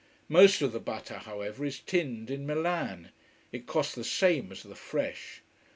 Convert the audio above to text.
Most of the butter, however, is tinned in Milan. It costs the same as the fresh.